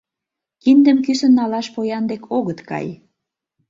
Киндым кӱсын налаш поян дек огыт кай.